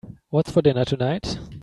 What's for dinner tonight?